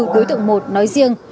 đối tượng một nói riêng